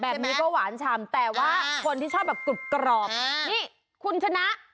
แบบนี้ก็หวานชำแต่ว่าคนที่ชอบแบบกรุบกรอบนี่คุณชนะ